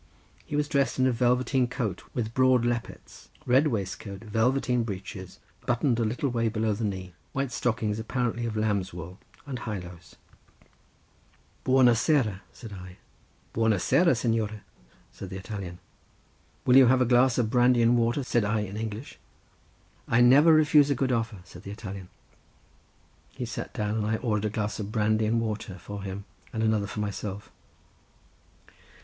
He was dressed in a velveteen coat, with broad lappets, red waistcoat, velveteen breeches, buttoning a little way below the knee; white stockings, apparently of lamb's wool, and highlows. "Buona sera?" said I. "Buona sera, signore!" said the Italian. "Will you have a glass of brandy and water?" said I in English. "I never refuse a good offer," said the Italian. He sat down, and I ordered a glass of brandy and water for him and another for myself.